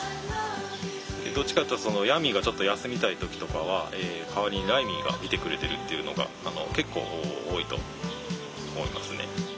どっちかっていうとヤミーがちょっと休みたい時とかは代わりにライミーが見てくれてるっていうのが結構多いと思いますね。